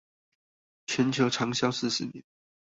全球長銷四十年